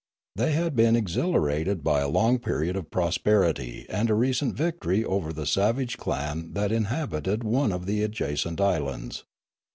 They had been exhilarated by a long period of prosperity and a recent victory over the savage clan that inhabited one of the adjacent islands.